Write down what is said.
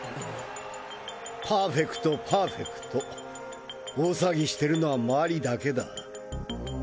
パーフェクトパーフェクト大騒ぎしてるのは周りだけだ。